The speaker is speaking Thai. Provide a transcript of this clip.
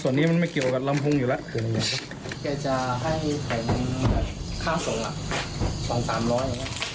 ส่วนนี้มันไม่เกี่ยวกับลำพุงอยู่แล้วแกจะให้ไข่มันค่าส่งอ่ะสองสามร้อยอย่างเงี้ย